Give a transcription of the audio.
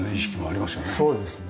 そうですね。